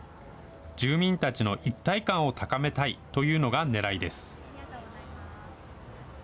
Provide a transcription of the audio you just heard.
住民たちの一体感を高めたいというのがねらいです。